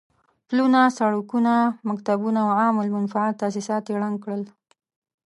پلونه، سړکونه، مکتبونه او عام المنفعه تاسيسات يې ړنګ کړل.